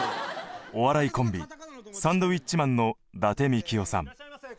お笑いコンビサンドウィッチマンの伊達みきおさん。